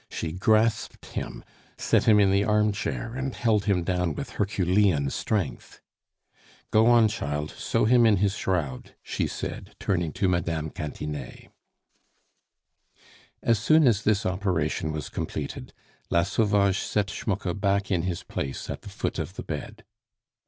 She grasped him, set him in the armchair, and held him down with herculean strength. "Go on, child; sew him in his shroud," she said, turning to Mme. Cantinet. As soon as this operation was completed, La Sauvage set Schmucke back in his place at the foot of the bed.